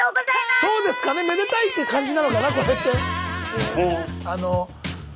そうですかねめでたいっていう感じなのかなこれって。